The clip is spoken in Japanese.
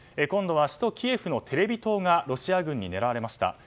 今度は首都キエフのテレビ塔がロシア軍に狙われました。